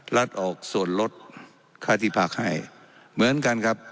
รัฐออกส่วนลดค่าที่พักให้เหมือนกันครับ